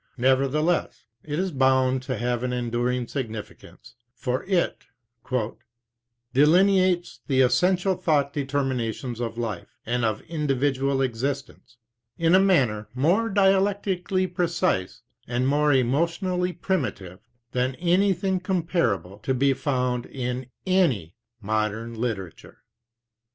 Nevertheless, it is bound to have an enduring significance, for it "delineates the essential thought determinations of life, and of individual existence, in a manner more dialectically precise and more emotionally primitive than anything comparable to be found in any modern literature."